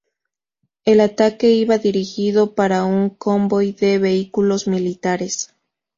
El ataque iba dirigido para un convoy de vehículos militares.